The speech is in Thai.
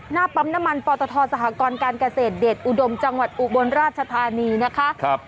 หน้าปั๊มน้ำมันปตทสหกรการเกษตรเดชอุดมจังหวัดอุบลราชธานีนะคะ